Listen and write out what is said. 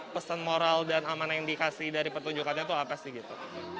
pesan moral dan amanah yang dikasih dari pertunjukannya itu apa sih gitu